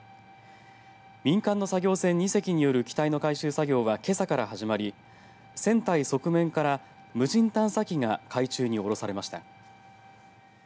民間の作業船２隻による機体の回収作業はけさから始まり船体側面から無人探査機が海中に下ろされました。